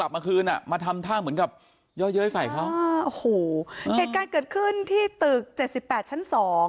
มาทำท่าเหมือนกับเยอะใส่เขาโอ้โหเหตุการณ์เกิดขึ้นที่ตึก๗๘ชั้น๒